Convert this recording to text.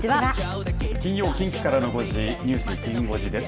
金曜近畿からの５時ニュースきん５時です。